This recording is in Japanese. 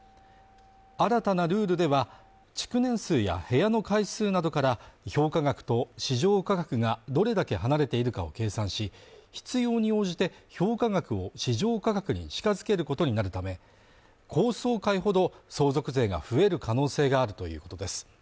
新たなルールでは、築年数や部屋の階数などから評価額と市場価格がどれだけ離れているかを計算し、必要に応じて評価額を市場価格に近づけることになるため、高層階ほど、相続税が増える可能性があるということです。